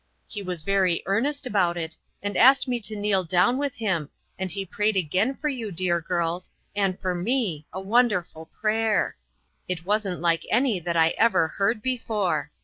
He was very earnest about it, and asked me to kneel down with him, and he prayed again for yon, dear girls, and for me, a wonderful prayer. It wasn't like any that I ever heard before.